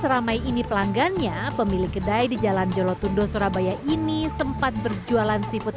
seramai ini pelanggannya pemilik kedai di jalan jolotundo surabaya ini sempat berjualan seafood